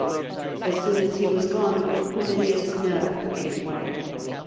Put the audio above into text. As soon as he was gone, Herminia's nerve gave way.